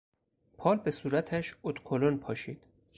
پال به صورتش ادوکلن پاشید.